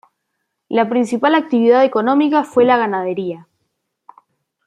La principal actividad económica fue la Ganadería.